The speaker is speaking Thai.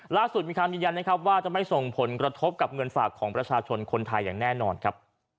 มีความยืนยันนะครับว่าจะไม่ส่งผลกระทบกับเงินฝากของประชาชนคนไทยอย่างแน่นอนครับ